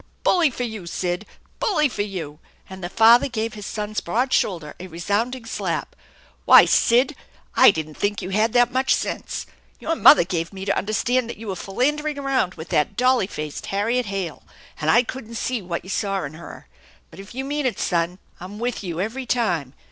" Bully for you, Sid ! Bully for you !" and the father gave his son's broad shoulder a resounding slap. " Why, Sid, I didn't think you had that much sense. Your mother gave me to understand that you were philandering around with that dolly faced Harriet Hale, and I couldn't see what you saw in her. But if you mean it, son, I'm with you every time.